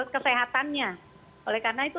kesehatannya oleh karena itu